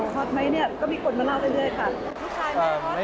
ฮอตไหมเนี่ยก็มีคนมาล่าวได้ด้วยค่ะ